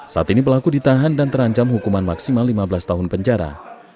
saat ini pelaku ditahan dan terancam hukuman maksimal lima belas tahun penjara